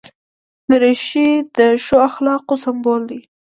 دریشي د ښو اخلاقو سمبول ده.